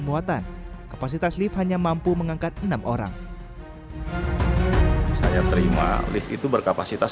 muatan kapasitas lift hanya mampu mengangkat enam orang saya terima lift itu berkapasitas